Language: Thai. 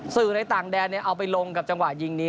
สื่อในต่างแดนเอาไปลงกับจังหวะยิงนี้